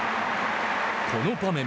この場面。